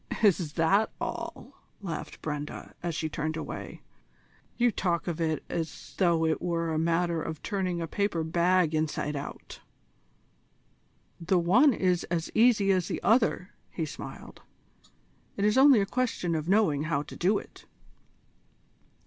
"Is that all?" laughed Brenda, as she turned away. "You talk of it as though it were a matter of turning a paper bag inside out." "The one is as easy as the other," he smiled. "It is only a question of knowing how to do it."